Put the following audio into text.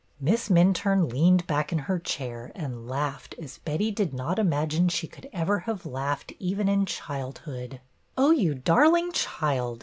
Miss Minturne leaned back in her chair and laughed as Betty did not imagine she could ever have laughed even in childhood. '' Oh, you darling child